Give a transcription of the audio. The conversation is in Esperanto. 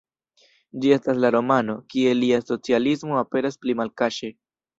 Ĝi estas la romano, kie lia socialismo aperas pli malkaŝe.